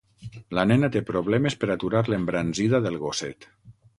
La nena té problemes per aturar l'embranzida del gosset.